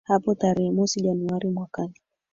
hapo tarehe mosi januari mwakani